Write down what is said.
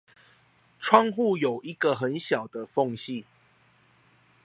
窗戶有一個很小的隙縫